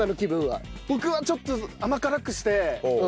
僕はちょっと甘辛くして。